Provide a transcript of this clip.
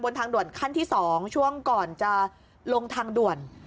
ทางด่วนขั้นที่๒ช่วงก่อนจะลงทางด่วน